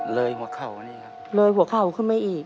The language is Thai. เลยหัวเข่านี่ครับเลยหัวเข่าขึ้นมาอีก